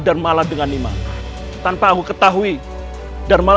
karena pengkhianatanmu darmala